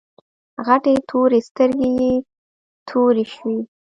غټې تورې سترګې يې تروې شوې.